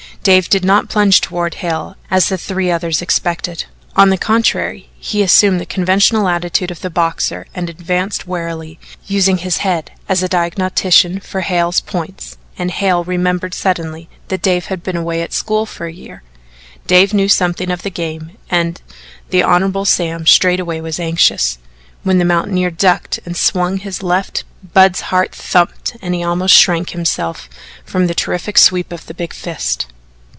Dave did not plunge toward Hale, as the three others expected. On the contrary, he assumed the conventional attitude of the boxer and advanced warily, using his head as a diagnostician for Hale's points and Hale remembered suddenly that Dave had been away at school for a year. Dave knew something of the game and the Hon. Sam straightway was anxious, when the mountaineer ducked and swung his left Budd's heart thumped and he almost shrank himself from the terrific sweep of the big fist.